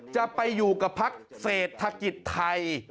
จะไปอยู่กับพักเศรษฐกิจไทย